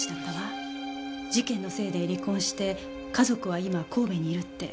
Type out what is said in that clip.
事件のせいで離婚して家族は今神戸にいるって。